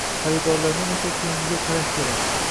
Xaridorlarning esa koʻngliga qarash kerak.